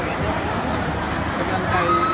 การเพราะสอดชะวิน